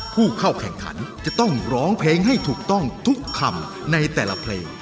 ผู้เข้าแข่งขันจะต้องร้องเพลงให้ถูกต้องทุกคำในแต่ละเพลง